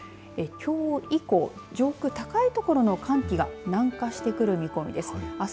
きょう以降、上空高い所の寒気が南下してくる見込みです。